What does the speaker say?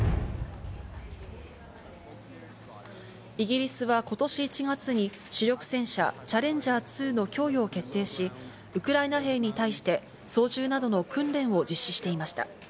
イギリスは今年１月に主力戦車「チャレンジャー２」供与を決定し、ウクライナ兵に対して、操縦などの訓練を実施していました。